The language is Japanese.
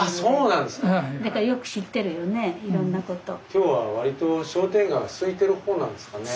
今日は割と商店街はすいてる方なんですかね？